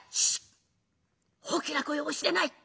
大きな声をおしでない！